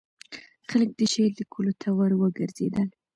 خلک د شعر لیکلو ته وروګرځېدل.